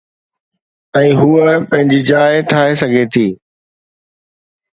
۽ هوءَ پنهنجي جاءِ ٺاهي سگهي ٿي.